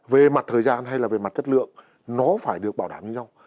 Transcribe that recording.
về mặt thời gian hay là về mặt chất lượng nó phải được bảo đảm như nhau